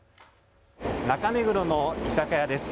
中目黒の居酒屋です。